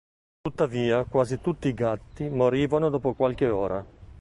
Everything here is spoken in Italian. Tuttavia quasi tutti i gatti morivano dopo qualche ora.